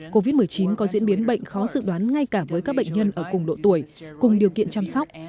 covid một mươi chín có diễn biến bệnh khó dự đoán ngay cả với các bệnh nhân ở cùng độ tuổi cùng điều kiện chăm sóc